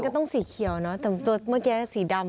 พักมันก็ต้องสีเขียวเนอะแต่เมื่อกี้แกก็สีดำเนอะ